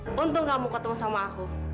ah untung kamu ketemu sama aku